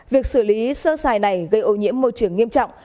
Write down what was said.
việc xử lý sơ xài này gây ô nhiễm môi trường nghiêm trọng